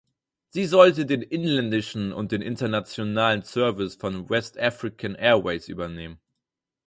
Sie sollte den inländischen und den internationalen Service von West African Airways übernehmen.